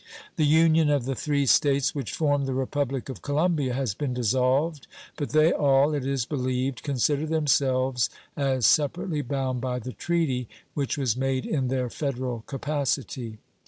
The union of the three States which formed the Republic of Colombia has been dissolved, but they all, it is believed, consider themselves as separately bound by the treaty which was made in their federal capacity.